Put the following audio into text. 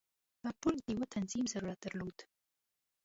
دا ټول د یو تنظیم ضرورت درلود.